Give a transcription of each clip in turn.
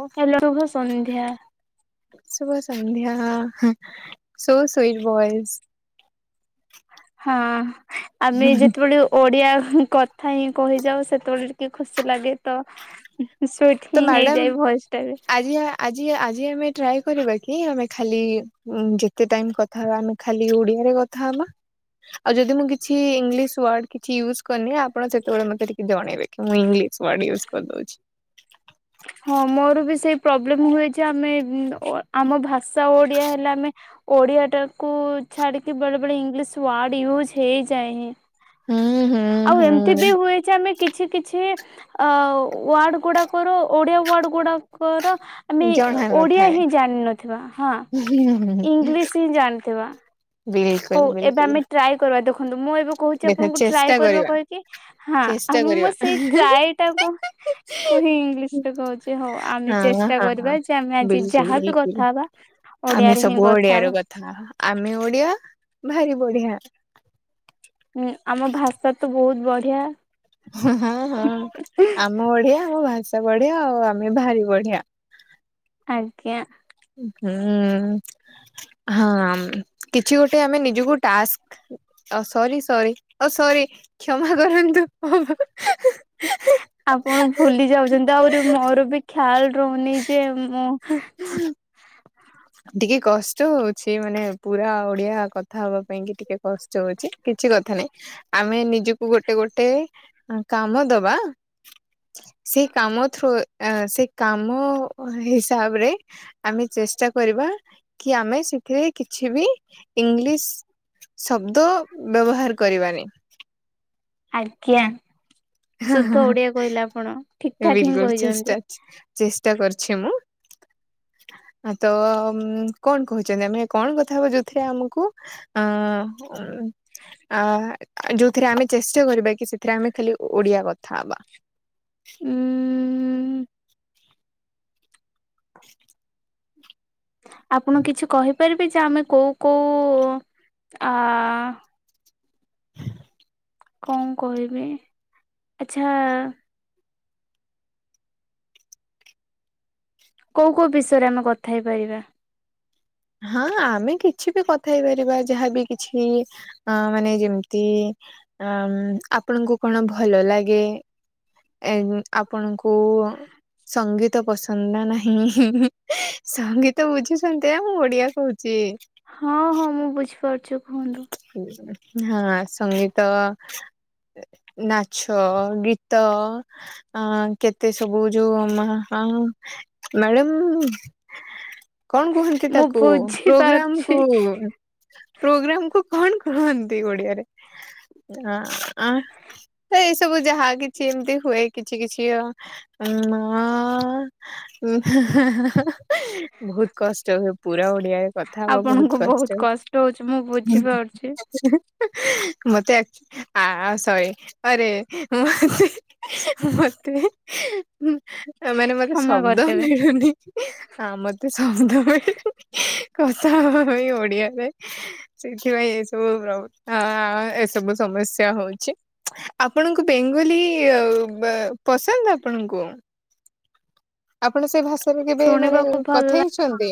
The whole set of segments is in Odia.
ଓ ହ୍ୟାଲୋ ଶୁଭସନ୍ଧ୍ୟା। ଶୁଭ ସନ୍ଧ୍ୟା ହେଁ ସୋ ସୁଇଟ ଭଏସ୍। ହଁ ଆମେ ଯେତେବେଳେ ଓଡ଼ିଆ ହୁ କଥା ହିଁ କହିଯାଉ ସେତେବେଳେ ଟିକେ ଖୁସି ଲାଗେ ତ ସୋ ତ ଥିନ୍ ମ୍ୟାଡାମ ହେଇଯାଏ ଭଏସ ଟା ବି। ଆଜି ଆଜି ଆଜି ଆମେ ଟ୍ରାଏ କରିବା କି ଆମେ ଖାଲି ଯେତେ ଟାଇମ କଥା ହବା ଆମେ ଖାଲି ଓଡ଼ିଆରେ କଥା ହବା। ଆଉ ଯଦି ମୁଁ କିଛି ଇଂଲିଶ ୱାର୍ଡ କିଛି ୟୁଜ କରିନି ଆପଣ ସେତେବେଳେ ମତେ ଟିକେ ଜଣେଇବେ। ମୁଁ ଇଂଲିଶ ୱାର୍ଡ ୟୁଜ୍ କରିଦଉଛି। ହଁ ମୋର ବି ସେଇ ପ୍ରୋବ୍ଲେମ ହୁଏ ଯେ ଆମେ ଆମ ଭାଷା ଓଡିଆ ହେଲେ ଆମେ ଓଡିଆଟାକୁୁ ଛାଡ଼ିକି ବେଳେ ବେଳେ ଇଂଲିଶ ୱାର୍ଡ ୟୁଜ୍ ହେଇଯାଏ। ହୁଁ, ହୁଁ। ଆଉ ଏମିତି ବି ହୁଁ ହୁଏ ଯେ ଆମେ କି କିଛି କିଛି ଅ ୱାର୍ଡ ଗୁଡ଼ାକର ଓଡ଼ିଆ ୱାର୍ଡ ଗୁଡ଼ାକର ଆମେ ଜଣା ଓଡ଼ିଆ ନଥାଏ। ହିଁ ଜାଣିନଥିବା ହଁ। ଇଂଲିଶ ହିଁ ଜାଣିଥିବା। ବିଲକୁଲ ହଉ ଏବେ ବିଲକୁଲ ଆମେ ଟ୍ରାଏ କରିବା ଦେଖନ୍ତୁ। ମୁଁ ଏବେ କହୁଛି ଦେଖ ଆପଣଙ୍କୁ ଚେଷ୍ଟା ଟ୍ରାଏ କରିବା କହିକି। ହଁ ଚେଷ୍ଟା ଆଉ କରିବା। ମ ସେଇ ଟ୍ରାଏ ଟାକୁ କୁ ହିଁ ଇଂଲିଶରେ କହୁଚି। ହଉ ଆମେ ହଁ ଚେଷ୍ଟା ହଁ କରିବା ଯେ ଆମେ ଆଜି ବିଲକୁଲ ଯାହାବି ବିଲକୁଲ କଥା ହବା ଆମେ ଓଡିଆରେ ହିଁ ସବୁ କଥା ଓଡ଼ିଆରେ ହବା କଥା ହବା। ଆମେ ଓଡ଼ିଆ ଭାରି ବଢ଼ିଆ। ହୁଁ ଆମ ଭାଷା ତ ବହୁତ ବଢ଼ିଆ। ହଁ ହଁ ଆମେ ଓଡ଼ିଆ, ଆମ ଭାଷା ବଢ଼ିଆ, ଆଉ ଆମେ ଭାରି ବଢିଆ। ଆଜ୍ଞା। ହୁଁ ହଁ କିଛି ଗୋଟେ ଆମେ ନିଜକୁ ଟାସ୍କ ଅ ସରି ସରି ଅ ସରି କ୍ଷମା କରନ୍ତୁ। ଆପଣ ଭୁଲି ଯାଉଛନ୍ତି ଆହୁରି ମୋର ବି ଖ୍ୟାଲ ରହୁନି ଯେ ମୁଁ ଟିକେ କଷ୍ଟ ହଉଚି। ମାନେ ପୁରା ଓଡ଼ିଆ କଥା ହବା ପାଇଁ କି ଟିକେ କଷ୍ଟ ହଉଚି। କିଛି କଥା ନାଇଁ ଆମେ ନିଜକୁ ଗୋଟେ ଗୋଟେ କାମ ଦବା। ସେଇ କାମ ଥ୍ରୋ ସେଇ କାମ ହିସାବରେ ଆମେ ଚେଷ୍ଟା କରିବା କି ଆମେ ସେଥିରେ କିଛି ବି ଇଂଲିଶ ଶବ୍ଦ ବ୍ୟବହାର କରିବାନି। ଆଜ୍ଞା। ସୁଧ ଓଡିଆ କହିଲେ ଆପଣ ଠିକ୍ ଠାକ୍ ହିଁ ବିଲକୁଲ ଚେଷ୍ଟା କହିଛନ୍ତି। ଚେଷ୍ଟା କରିଛି ମୁଁ। ତ କଣ କହୁଛନ୍ତି ଆମେ କଣ କଥା ହବା ଯଉଥିରେ ଆମକୁ ଅ ଆ ଯୋଉଥିରେ ଆମେ ଚେଷ୍ଟା କରିବା କି ସେଥିରେ ଆମେ ଖାଲି ଓଡିଆ କଥା ହବା। ଉଁ [inaudible] ଆପଣ କିଛି କହିପାରିବେ ଯେ ଆମେ କଉ କଉ ଆ କଣ କହିବି ଆଛା କୋଉ କୋଉ ବିଷୟରେ ଆମେ କଥା ହେଇପାରିବା? ହଁ ଆମେ କିଛି ବି କଥା ହେଇପାରିବା ଯାହାବି କିଛି ଅ ମାନେ ଯେମିତି ଆ ଆପଣଙ୍କୁ କଣ ଭଲ ଲାଗେ? ଏ ଆପଣଙ୍କୁ କୁ ସଙ୍ଗୀତ ପସନ୍ଦ ନା ନାହିଁ। ସଙ୍ଗୀତ ବୁଝୁଛନ୍ତି ଆ ମୁଁ ଓଡିଆ କହୁଛି। ହଁ ହଁ ମୁଁ ବୁଝିପାରୁଛି କୁହନ୍ତୁ। ହଁ ସଙ୍ଗୀତ ନାଚ, ଗୀତ ଅ କେତେ ସବୁ ଯୋଉ। [unintelligible] [unintelligible] କଣ କୁହନ୍ତି ମୁଁ ତାକୁ ପ୍ରୋଗ୍ରାମ କୁ ବୁଝିପାରୁଛି ପ୍ରୋଗ୍ରାମ କଣ କୁହନ୍ତି ଓଡିଆରେ? ଅ ନାଇଁ ସବୁ ଯାହା କିଛି ଏମତି ହୁଏ କିଛି କିଛି ମ ବହୁତ କଷ୍ଟ ହୁଏ ପୁରା ଓଡିଆ। କଥା ହବା ବହୁତ କଷ୍ଟ। ରହୁଛି ମୁଁ। ବୁଝିପାରୁଛି। ମତେ ଆଚ୍ ଆଁ ଶରି ଅରେ [inaudible] ମତେ ମାନେ ମତେ କ୍ଷମା ଶବ୍ଦ କରିଦେବେ ମିଳୁନି। ଆ ମତେ ଶବ୍ଦ ମିଳୁନି, କଥା ହବା ପାଇଁ ଓଡିଆରେ। ସେଇଥିପାଇଁ ଏସବୁ ହଁ-ଅଁ ଏସବୁ ସମସ୍ୟା ହଉଛି। ଆପଣଙ୍କୁ ବେଙ୍ଗଲି-ଇ ବ ପସନ୍ଦ ଆପଣଙ୍କୁ? ଆପଣ ସେ ଭାଷାରେ କେବେ ମାନେ ଶୁଣିବାକୁ ଭଲ କଥା ଲା ହେଇଛନ୍ତି?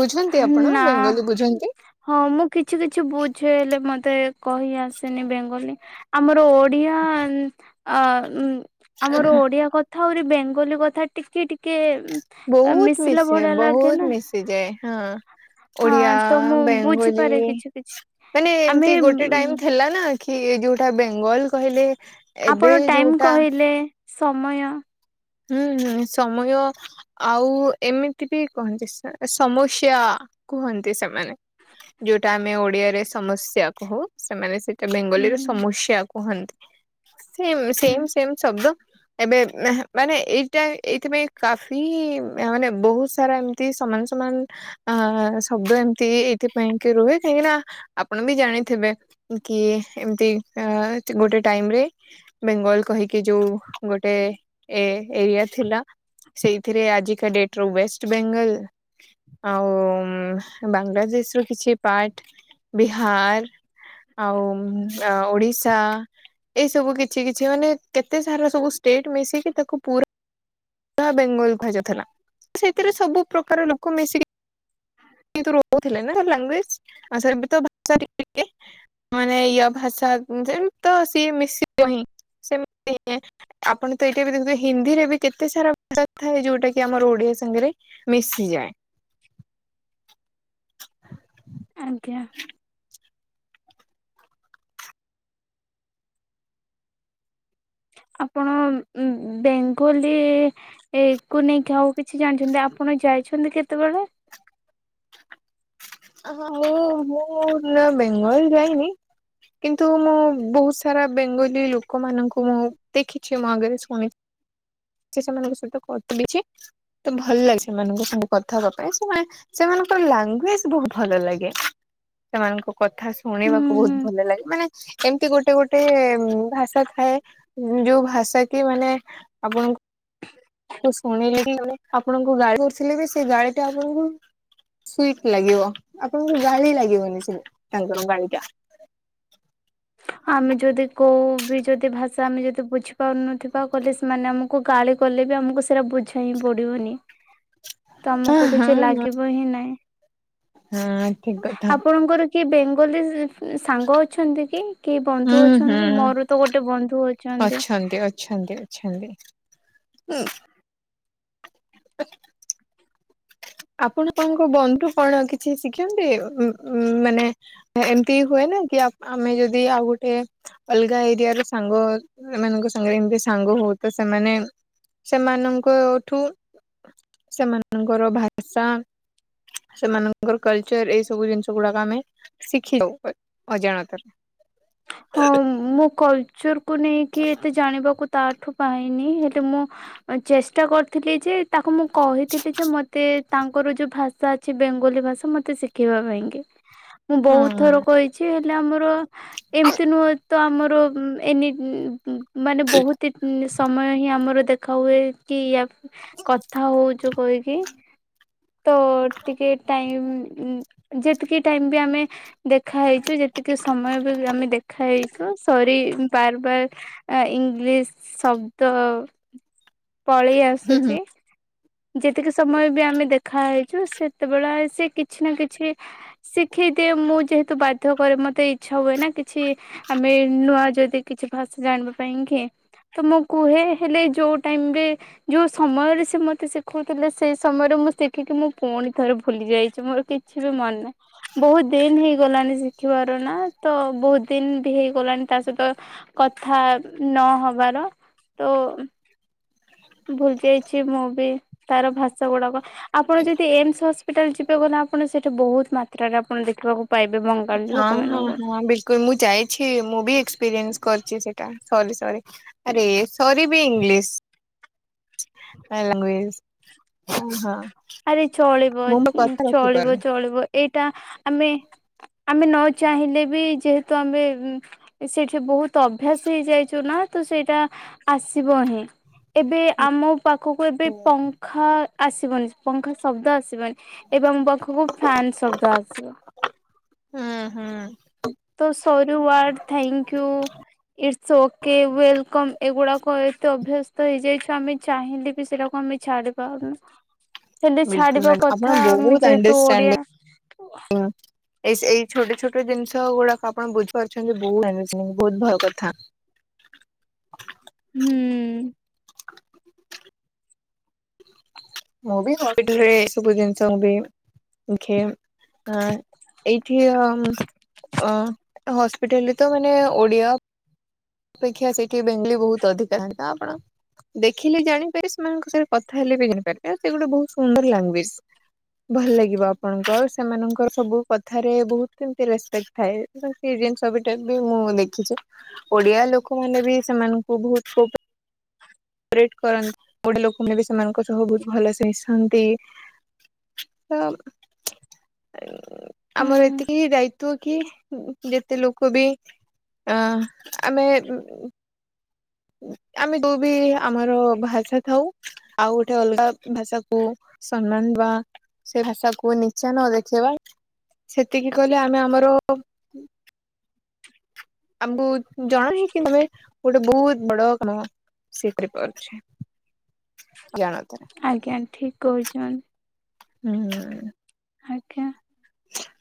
ବୁଝନ୍ତି, ଆପଣ ନା ବେଙ୍ଗଲୀ ବୁଝନ୍ତି? ହଁ, ମୁଁ କିଛି କିଛି ବୁଝେ, ହେଲେ ମତେ କହି ଆସେନି ବେଙ୍ଗଲୀ। ଆମର ଓଡ୍ ଓଡିଆ ଆନ୍-ଆ-ଉମ୍-ଆମର ଓଡିଆ କଥ୍ ଥାହୁରି ବେଙ୍ଗଲୀ କଥା ଟିକେ ଟିକେ ଉ ମିଶିଲା ଭଳିଆ ଲାଗେ ନା। ସି ଯାଏ ହଁ, ହଁ ତ ଓଡ଼ିଆ-ଆ, ମୁଁ ବେଙ୍ଗୋଲି ବୁଝିପାରେ କିଛି କିଛି। ମାନେ ଆମେ ଏମିତି ଗୋଟେ ଟାଇମ୍ ଉଁ ଥିଲା ନା, କି ଯୋଉଟା ବେଙ୍ଗଲ୍ କହିଲେ ଏବେ ଆପଣ ଟାଇମ୍ ଯୋଉଟା କହିଲେ ସମୟ। ହୁଁ, ହଁ ସମୟ। ଆଉ, ଏମିତି ବି କହନ୍ତି, ସ-ସମୁସ୍ୟା କୁହନ୍ତି ସେମାନେ। ଯୋଉଟା ଆମେ ଓଡିଆରେ ସମସ୍ୟା କହୁ। ସେମାନେ ସେଇଟା ହୁଁ ବେଙ୍ଗଲୀ ରେ ସ ସମୁସ୍ୟା କୁହନ୍ତି। ସେ ହୁଁ ସେମ୍ ସେମ୍ ଶବ୍ଦ ଏବେ ମେହେ ମାନେ, ଏଇଟା ଏଇଥିପାଇଁ କାଫି ମାନେ ବହୁତ ସାରା ଏମିତି ସମାନ ସମାନ ଆ ଶବ୍ଦ ଏମିତି ଏଇଥିପାଇଁ କି ରୁହେ, କାହିଁକି ନା ଆପଣ ବି ଜାଣିଥିବେ। କି ଏମତି ଅ ଗୋଟେ ଟାଇମ୍ ରେ ବେଙ୍ଗଲ୍ କହିକି ଯୋଉ ଗୋଟେ ଏ ଏଇଆ ଥିଲା। ସେଇଥିରେ ଆଜିକା ଡେଟ୍ ର ୱେଷ୍ଟ ବେଙ୍ଗଲ୍ ଆଉ-ଉଁ ବାଂଲାଦେଶର କିଛି ପାର୍ଟ ବିହାର ଆଉ-ଉଁ ଆ ଓଡ଼ିଶା ଏଇ ସବୁ କିଛି କିଛି ମାନେ, କେତେ ସାରା ସବୁ ଷ୍ଟେଟ୍ ମିଶିକି ତାକୁ ପୁରା ବା ବେଙ୍ଗଲ କୁହାଯାଉଥିଲା। ସେଥିରେ ସବୁ ପ୍ରକାର ଲୋକ ମିଶିକି କିନ୍ତୁ ରହୁଥିଲେ ନା, ଲାଙ୍ଗୁଏଜ୍ ଆଉ ସେରାବିତ ଭାଷା ଟିକେ ଟିକେ ମାନେ ଇଅ ଭାଷା ସେମିତି ତ ସିଏ ମିଶିବହିଁ ସେମି ନିଏ। ଆପଣ ତ ଏଠ୍ ଟିବି ଦେଖୁଥିବେ, ହିନ୍ଦୀରେ ବି କେତେ ସାରା ଭାଷା ଥାଏ। ଯୋଉଟା କି ଆମର ଓଡିଆ ସାଙ୍ଗରେ ମିଶିଯାଁଏ। ଆଜ୍ଞା। ଆପଣ! ବେଙ୍ଗୋଲୀ ଏକୁ ନେଇକି ଆଉ କିଛି ଜାଣିଛନ୍ତି! ଆପଣ ଯାଇଛନ୍ତି କେତେବେଳେ? ଅହ ମୁଁ, ମୁଁ ନା ବେଙ୍ଗଲ୍ ଯାଇନି। କିନ୍ତୁ, ମୁଁ ବହୁତ ସାରା ବେଙ୍ଗୋଲୀ ଲୋକମାନଙ୍କୁ ମୁଁ ଦେଖିଛି ମୋ ଆଗରେ, ଶୁଣି ଚି ସେମାନଙ୍କ ସହିତ କତିଡ଼ିଛି। ତ ଭଲ ଲାଗେ, ସେମାନଙ୍କ ସାଙ୍ଗେ କଥା ହେବା ପାଇଁ। ସେମାନେ ସେମାନଙ୍କର ଲାଙ୍ଗୁଏଜ୍ ବହୁତ ଭଲ ଲାଗେ। ସେମାନଙ୍କ କଥା ହୁଁ ଶୁଣିବାକୁ ହୁଁ ବହୁତ ଭଲ ଲାଗେ। ମାନେ ଏମତି ଗୋଟେ ଗୋଟେ ଭାଷା ଥାଏ। ଯୋଉ ଭାଷା କି ମାନେ ଆପଣଙ୍କୁ ତ ଶୁଣିଲିକି ମାନେ, ଆପଣଙ୍କୁ ଗାଳି କରୁଥିଲେ ବି, ସେ ଗାଳିଟା ଆପଣଙ୍କୁ ସୁଇଟ୍ ଲାଗିବ। ଆପଣଙ୍କୁ ଗାଳି ଲାଗିବନି, ସେ ତାଙ୍କର ଗାଳି ଟା। ଆମେ, ଯଦି କୋଉ ବିି ଯଦି ଭାଷା ଆମେ ଯଦି ବୁଝିପାରୁନଥିବା? କହିଲେ ସେ ମାନେ ଆମକୁ ଗାଳି କଲେ ବି, ଆମକୁ ସେଇରା ବୁଝା ହିଁ ପଡିବନି। ହଁ ତମକୁ ହଁ କିଛି ହଁ ଲାଗିବ ହିଁ ନାଇଁ। ହଁ ଠିକ କଥା ଆପଣଙ୍କର କି ବେଙ୍ଗଲୀ ସାଙ୍ଗ ଅଛନ୍ତି କି କି ହୁଁ ବନ୍ଧୁ ଅଛନ୍ତି ହୁଁ। ମୋର ତ ଗୋଟେ ବନ୍ଧୁ ଅ ଅଛନ୍ତି ଅଛନ୍ତି ଅଛନ୍ତି। [inaudible] ଆପଣ ତାଙ୍କ ବନ୍ଧୁ କଣ କିଛି ଶିଖନ୍ତି ମାନେ ଏମିତି ହୁଏ ନା କି ଆମେ ଯଦି ଆଉ ଗୋଟେ ଅଲଗା ଏରିଆ ର ସାଙ୍ଗଏମାନଙ୍କ ସାଙ୍ଗରେ ଏମିତି ସାଙ୍ଗହଉ ତ ସେମାନେ ସେମାନଙ୍କଠୁ ସେମାନଙ୍କର ଭାଷା ସେମାନଙ୍କର କଲ୍ଚର ଏଇ ସବୁ ଜିନିଷ ଗୁଡାକ ଆମେ ଶିଖିଜାଉ ଅଜାଣତରେ। ହଁ ମୋ କଲ୍ ଚର କୁ ନେଇକି ଏତେ ଜାଣିବାକୁ ତାଠୁ ପାଇନି ହେଲେ ମୁଁ ଚେଷ୍ଟା କରିଥିଲି ଯେ ତାକୁ ମୁଁ କହିଥିଲି ଯେ ମୋତେ ତାଙ୍କର ଯୋଉ ଭାଷା ଅଛି ବେଙ୍ଗୋଲୀ ଭାଷା ମତେ ଶିଖେଇବା ପାଇଁକି ମୁଁ ବହୁତଥର କହି ଛି ହେଲେ ଆମର ଏମିତି ନୁହ ତ ଆମର ଏନି ମାନେ ବହୁତି ସମୟ ହିଁ ଆମର ଦେଖା ହୁଏ କି ୟା କଥା ହଉଛୁ କହିକି ତ ଟିକେ ଟାଇମ୍ ଯେତିକି ଟାଇମ ବି ଆମେ ଦେଖା ହେଇଛୁ ଯେତିକି ସମୟ ବି ଆମେ ଦେଖା ହେଇଛୁ ସରି ବାର ବାର ଇଂଲିଶ ଶବ୍ଦ ପଳେଇ ହୁଁ ହୁଁ ଆସୁଛି। ଯେତିକି ସମୟ ବି ଆମେ ଦେଖା ହେଇଛୁ ସେତେବେଳେ ସେ କିଛି ନା କିଛି ଶିଖେଇଦିଏ ମୁଁ ଯେହେତୁ ବାଧ୍ୟ କରେ ମତେ ଇଛା ହୁଏ ନା କିଛି ଆମେ ନୂଆ ଯଦି କିଛି ଭାଷା ଜାଣିବା ପାଇଁ କି ତ ମୁଁ କୁହେ ହେଲେ ଯୋଉ ଟାଇମରେ ଯୋଉ ସମୟରେ ସେ ମତେ ଶିଖଉଥିଲେ ସେଇ ସମୟରେ ମୁଁ ଶିଖିକି ମୁଁ ପୁଣି ଥରେ ଭୁଲି ଯାଇଛି ମୋର କି ଛି ବି ମନେ ନାହିଁ ବହୁତ ଦିନ ହେଇଗଲାଣି ଶିଖିବାର ନା ତ ବହୁତ ଦିନ ବି ହେଇଗଲାଣି ତା ସହିତ କଥା ନହବାର। ତ ଭୁଲି ଯାଇଛି ମୁଁ ବି ତାର ଭାଷା ଗୁଡ଼ାକ। ଆପଣ ଯଦି ଏମସ ହସ୍ପିଟାଲ ଯିବେ କ ନା ଆପଣ ସେଇଠା ବହୁତ ମାତ୍ରାରେ ଆପଣ ଦେଖିବାକୁ ପାଇବେ ବଙ୍ଗାଳୀ ହଁ ହଁ ଲୋକମାନଙ୍କୁ। ହଁ ବିଲକୁଲ ମୁଁ ଯାଇଛି ମୁଁ ବି ଏକ୍ସପିରିଏନ୍ସ କରିଛି ସେଇଟା ସରି ସରି। ଆରେ ସରି ବି ଇଂଲିଶ। ହ ହଁ। ଆରେ ଚଳିବ ଚଳିବ ଚଳିବ ଏଇଟା ଆମେ ଆମେ ନ ଚାହିଁଲେ ବି ଯେହେତୁ ଆମେ ସେଇଠି ବହୁତ ଅଭ୍ୟାସ ହେଇଯାଇଛୁ ନା ତ ସେଇଟା ଆସିବ ହିଁ। ଏବେ ଆମ ପାଖକୁ ଏବେ ପଙ୍ଖା ଆସିବନି ପଙ୍ଖା ଶବ୍ଦ ଆସିବନି। ଏବେ ମୋ ପାଖକୁ ଫ୍ୟାନ୍ ଶବ୍ଦ ଆସିବ। ହଁ ହୁଁ। ତ ସରୁ word thank you. It's okay welcome ଏଗୁଡ଼ାକ ଏତେ ଅଭ୍ୟସ୍ତ ହେଇଯାଇଛ ଆମେ ଚାହିଁଲେ ବି ସେଟାକୁ ଆମେ ଛାଡ଼ି ପାରୁନି। ବିଲକୁଲ ମାଡାମ୍ ଆପଣ ଆମେ ବହୁତ ଯେହେତୁ ଓଡିଆ ଅଣ୍ଡରସ୍ତାଣ୍ଡିଂ। ଏଇ ଏଇ ଛୋଟ ଛୋଟ ଜିନିଷ ଗୁଡ଼ାକ ଆପଣ ବୁଝିପାରୁଛନ୍ତି ବହୁ ବହୁତ ଭୟ କଥା। ହୁଁ। ମୁଁ ବି [unintelligible] ସବୁ ଜିନିଷ ମୁ ବି ଖେ ଆଁ ଏଇଠି ଅ ହସ୍ପିଟାଲ ରେ ତ ମାନେ ଓଡ଼ିଆ ଅପେକ୍ଷା ସେଇଠି ବେଙ୍ଗଲି ବହୁତ ଅଧିକା ତ ଆପଣ ଦେଖିଲେ ଜାଣିପାରେ ସେମାନଙ୍କ ସହରେ କଥା ହେଲେ ବି ଜାଣିପାରେ କା ସେ ଗୋଟେ ବହୁତ ସୁନ୍ଦର ଲାଙ୍ଗୁଏଜ। ଭଲ ଲାଗିବ ଆପଣଙ୍କ ସେମାନଙ୍କ ସବୁ କଥାରେ ବହୁତ କେମତି ରେସ୍ପେକ୍ଟ ଥାଏ। ସେ ଜିନିଷ ବି ଟେକ ବି ମୁଁ ଦେଖିଛି। ଓଡିଆ ଲୋକମାନେ ବି ସେମାନଙ୍କୁ ବହୁତ ପରେଟ କରନ୍ତି। ଗୋଟେ ଲୋକମାନେ ବି ସେମାନଙ୍କ ସହ ବହୁ ଭଲସେ ମିଶନ୍ତି। ତ ଆମର ହୁଁ ଏତିକି ଦାୟିତ୍ଵ କି ଯେତେ ଲୋକ ବି ଅ ଆମେ ଆମେ ଯୋଉ ବି ଆମର ଭାଷା ଥାଉ ଆଉ ଗୋଟେ ଅଲଗା ଭାଷାକୁ ସମ୍ମାନ ବା ସେ ଭାଷାକୁ ନିଚା ନ ଦେଖେଇବା ସେତିକି କହିଲେ ଆମେ ଆମର ଆମକୁ ଜଣା ହେଇକି ତମେ ଗୋଟେ ବହୁତ ବଡ କାମ ସେ କରି ପାରୁଛି ଜାଣତରେ। ଆଜ୍ଞା ଠିକ କହୁଛ ହୁଁ। ଆଜ୍ଞା।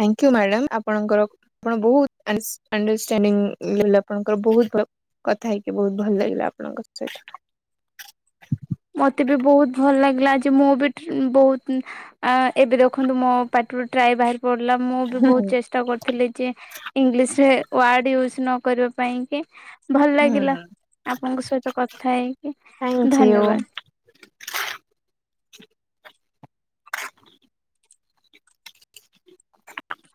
ଥାଙ୍କ ୟୁ ମ୍ୟାଡ଼ାମ ଆପଣଙ୍କର ଆପଣ ବହୁତ ଅଣ୍ଡର ଅଣ୍ଡରଷ୍ଟାଣ୍ଡିଙ୍ଗ କହିଲି ଆପଣଙ୍କର ବହୁତ କଥା ହେଇକି ବହୁତ ଭଲ ଲାଗିଲା ଆପଣଙ୍କ ସହିତ। ମତେ ବି ବହୁତ ଭଲ ଲାଗିଲା ଆଜି ମୁଁ ଟି ବି ବହୁତ ଆ ଏବେ ଦେଖନ୍ତୁ ମୋ ପାଟିରୁ ଟ୍ରାଏ ବାହାରି ପଡିଲା ମୁଁ ବି ହୁଁ ବହୁତ ଚେଷ୍ଟା କରିଥିଲି ଯେ ଇଂଲିଶ ରେ ୱାର୍ଡ ୟୁଜ ନ କରିବା ପାଇଁ କି ଭଲ ଲାଗିଲା ହୁଁ ଆପଣଙ୍କ ସହିତ କଥା ହେଇକି ଥ୍ୟାଙ୍କୟୁ। ଧନ୍ୟବାଦ। [inaudible]